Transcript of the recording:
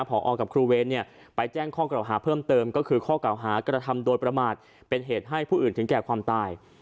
พอกับครูเวรไปแจ้งข้อกล่าวหาเพิ่มเติมก็คือข้อเก่าหากระทำโดยประมาทเป็นเหตุให้ผู้อื่นถึงแก่ความตาย